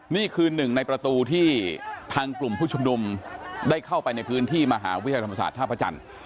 นี่คือหนึ่งในประตูที่ทางกลุ่มผู้ชุมนุมได้เข้าไปในพื้นที่มหาวิทยาลัยธรรมศาสตร์ท่าพระจันทร์